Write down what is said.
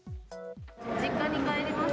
実家に帰ります。